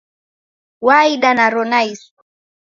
Waida naro naisi